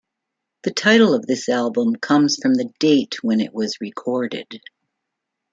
The title of this album comes from the date when it was recorded.